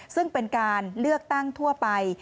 ซึ่งเป็นการเลือกตั้งทั่วไป